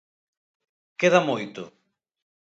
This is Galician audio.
Queda moito.